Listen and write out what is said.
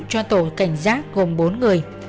cho tổ cảnh giác gồm bốn người